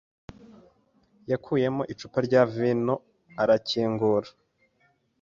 yakuyemo icupa rya vino arakingura.